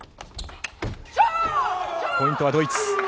ポイントはドイツ。